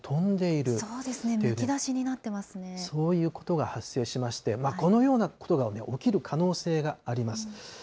むき出しになっそういうことが発生しまして、このようなことが起きる可能性があります。